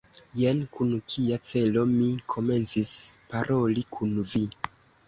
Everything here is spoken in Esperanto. Jen kun kia celo mi komencis paroli kun vi!